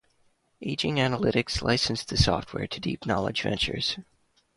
Aging Analytics licensed the software to Deep Knowledge Ventures.